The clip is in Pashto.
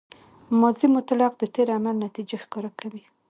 ماضي مطلق د تېر عمل نتیجه ښکاره کوي.